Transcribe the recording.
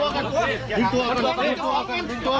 สวัสดีครับสวัสดีครับ